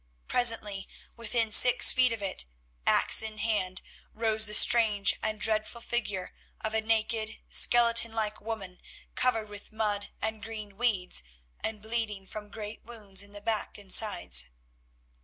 Presently, within six feet of it, axe in hand, rose the strange and dreadful figure of a naked, skeleton like woman covered with mud and green weeds, and bleeding from great wounds in the back and sides.